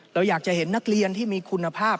เราอยากจะเห็นนักเรียนที่มีคุณภาพ